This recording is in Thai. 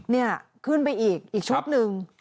เนี่ยขึ้นไปอีกอีกชบนึง